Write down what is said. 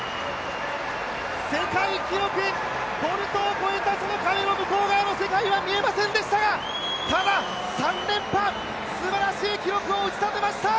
世界記録、ボルトを超えたその向こう側の世界は見えませんでしたがただ、３連覇、すばらしい記録を打ち立てました！